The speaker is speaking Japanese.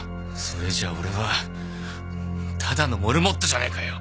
それじゃ俺はただのモルモットじゃねえかよ！